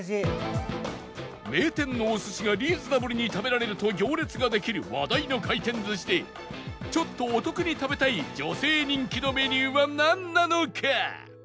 名店のお寿司がリーズナブルに食べられると行列ができる話題の回転寿司でちょっとお得に食べたい女性人気のメニューはなんなのか？